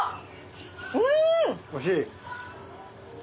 おいしい？